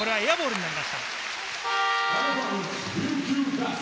エアボールになりました。